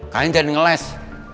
kalian jangan ngeles